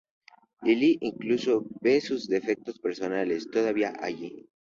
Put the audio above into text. Lily incluso ve sus efectos personales todavía allí.